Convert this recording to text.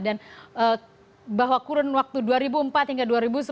dan bahwa kurun waktu dua ribu empat hingga dua ribu sepuluh